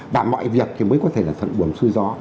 và mọi việc thì mới có thể là thuận buồng xuôi gió